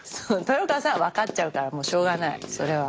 豊川さんは分かっちゃうからしょうがないそれは。